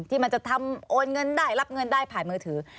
ที่มันจะทำโอนเงินได้รับเงินได้ผ่านมือถือ